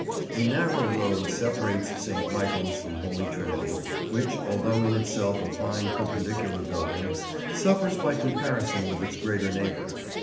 A narrow road separates St. Michael's from Holy Trinity, which, although in itself a fine Perpendicular building, suffers by comparison with its greater neighbour.